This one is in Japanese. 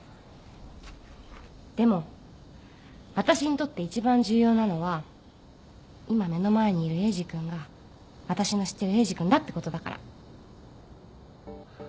でもあたしにとって一番重要なのは今目の前にいるエイジ君があたしの知ってるエイジ君だってことだから。